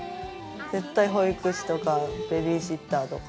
保育士とかベビーシッターとか。